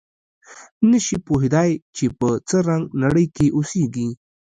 نه شي پوهېدای چې په څه رنګه نړۍ کې اوسېږي.